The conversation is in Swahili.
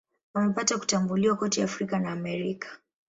Amepata kutambuliwa kote Afrika na Amerika.